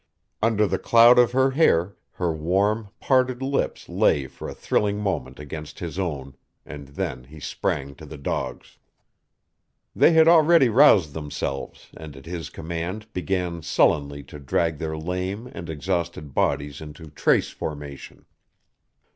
Under the cloud of her hair her warm, parted lips lay for a thrilling moment against his own, and then he sprang to the dogs. They had already roused themselves and at his command began sullenly to drag their lame and exhausted bodies into trace formation.